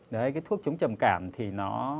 đấy cái thuốc chống trầm cảm thì nó